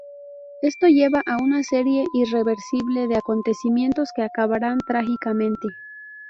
Esto lleva a una serie irreversible de acontecimientos que acabarán trágicamente.